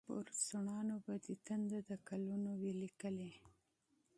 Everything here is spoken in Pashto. پر شونډو به دې تنده، د کلونو وي لیکلې